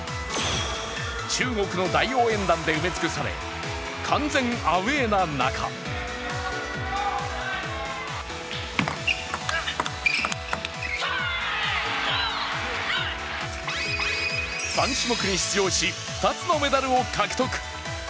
中国の大応援団で埋め尽くされ、完全アウェーな中３種目に出場し２つのメダルを獲得。